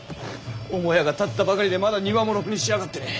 母屋が建ったばかりでまだ庭もろくに仕上がってねぇ。